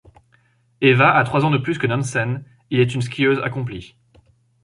Eva a trois ans de plus que Nansen et est une skieuse accomplie.